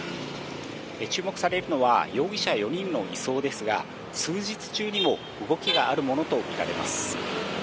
注目されるのは、容疑者４人の移送ですが、数日中にも動きがあるものと見られます。